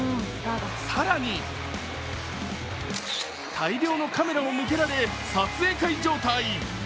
更に、大量のカメラを向けられ撮影会状態。